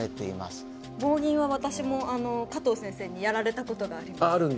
棒銀は私も加藤先生にやられたことがあります。